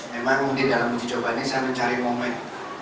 memang mungkin dalam uji coba ini saya mencari momen